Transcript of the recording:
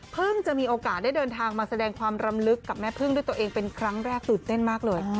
จะมีโอกาสได้เดินทางมาแสดงความรำลึกกับแม่พึ่งด้วยตัวเองเป็นครั้งแรกตื่นเต้นมากเลย